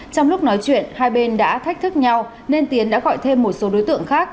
trong lúc nói chuyện hai bên đã thách thức nhau nên tiến đã gọi thêm một số đối tượng khác